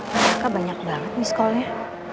mereka banyak banget nih sekolahnya